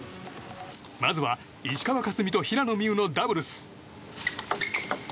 まずは、石川佳純と平野美宇のダブルス。